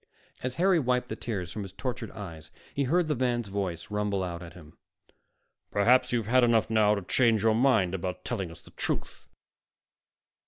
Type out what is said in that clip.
As Harry wiped the tears from his tortured eyes, he heard the man's voice rumble out at him: "Perhaps you've had enough now to change your mind about telling us the truth."